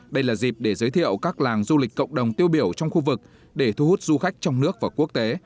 đây là dịp để giới thiệu các làng du lịch cộng đồng tiêu biểu trong khu vực để thu hút du khách trong nước và quốc tế